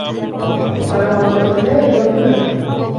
وَقَالَ بَعْضُ الْأُدَبَاءِ الرُّعْبُ لُؤْمٌ